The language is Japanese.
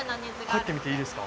入ってみていいですか？